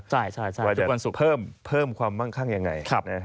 ว่าจะเพิ่มความว่างข้างยังไง